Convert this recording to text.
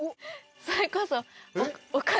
それこそ。